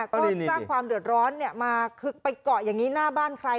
ก็สร้างความเดือดร้อนมาคือไปเกาะอย่างนี้หน้าบ้านใคร